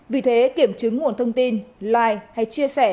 vì thế kiểm chứng nguồn thông tin live hay chia sẻ